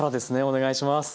お願いします。